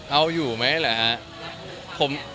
เอาอยู่ไหมล่ะครับ